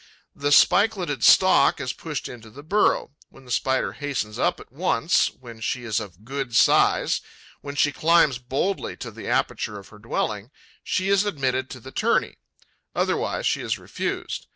The spikeleted stalk is pushed into the burrow. When the Spider hastens up at once, when she is of a good size, when she climbs boldly to the aperture of her dwelling, she is admitted to the tourney; otherwise, she is refused.